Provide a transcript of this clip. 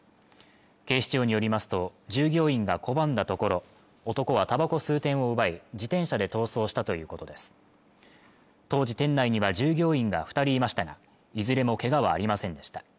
警視庁によりますと従業員が拒んだところ男はタバコ数点を奪い自転車で逃走したということです当時店内には従業員が二人いましたがいずれもけがはありませんでした